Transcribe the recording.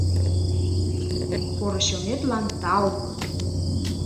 — Поро чонетлан тау!